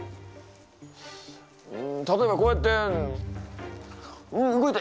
例えばこうやって動いて。